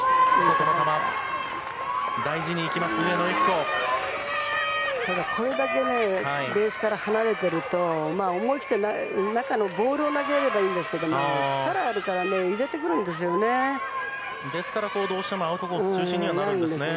このこれだけベースから離れてると、思い切って中のボールを投げればいいんですけど、力あるからね、ですから、どうしてもアウトコース中心にはなるんですね。